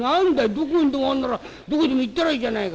どこにでもあるんならどこでも行ったらいいじゃないか」。